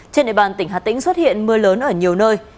trên địa bàn tỉnh hà tĩnh xuất hiện mưa lớn ở nhiều nơi